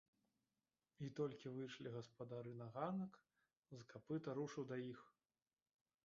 І толькі выйшлі гаспадары на ганак, з капыта рушыў да іх.